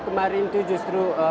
kemarin tujuh tahun